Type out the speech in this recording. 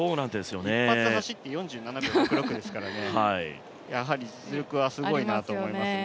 一発走って４７秒６６ですから、実力はすごいなと思いますね。